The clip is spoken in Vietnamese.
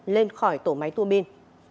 lên khỏi tổ máy turbin